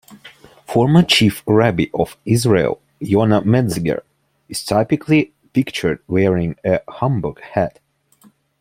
Former Chief Rabbi of Israel, Yona Metzger, is typically pictured wearing a Homburg hat.